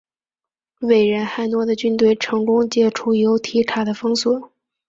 伟人汉诺的军队成功解除由提卡的封锁。